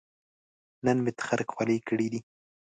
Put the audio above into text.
نن مې تخرګ خولې کړې دي